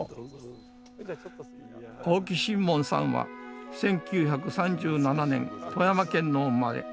青木新門さんは１９３７年富山県のお生まれ。